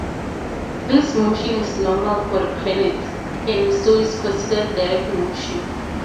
This motion is normal for the planets, and so is considered direct motion.